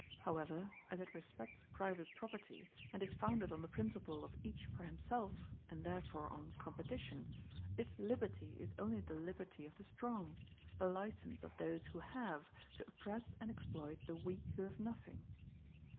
However, as it respects private property, and is founded on the principle of each for himself, and therefore on competition, its liberty is only the liberty of the strong, the license of those who have, to oppress and exploit the weak who have nothing.